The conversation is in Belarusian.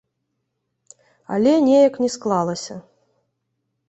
Але неяк не склалася.